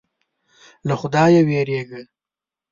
له خدایه وېرېږه.